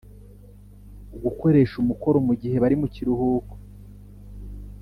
gukoresha umukoro mugihe bari mukiruhuko